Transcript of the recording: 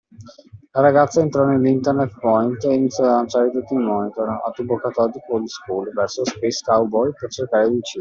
La ragazza entrò nell’internet point e iniziò a lanciare tutti i monitor, a tubo catodico old-school, verso Space Cowboy per cercare di ucciderlo.